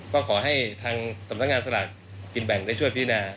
ก็ขอให้ทางสำนักงานสลากกินแบ่งได้ช่วยพินา